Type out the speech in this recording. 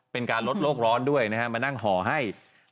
เป็นการลดโลกร้อนด้วยนะฮะมานั่งห่อให้